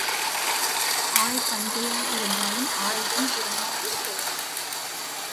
ஆள் பஞ்சையாய் இருந்தாலும் ஆயுதம் திறமாய் இருக்க வேண்டும்.